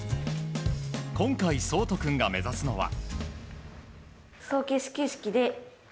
今回、想仁君が目指すのは。